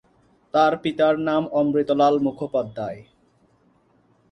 তার পিতার নাম অমৃতলাল মুখোপাধ্যায়।